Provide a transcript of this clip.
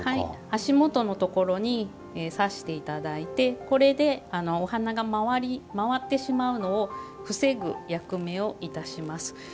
足元のところに挿していただいてこれで、お花が回ってしまうのを防ぐ役目をいたします。